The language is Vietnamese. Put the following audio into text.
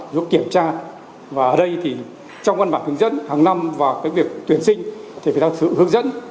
và ở đây thì trong văn bản hướng dẫn hàng năm và cái việc tuyển sinh thì phải đặt sự hướng dẫn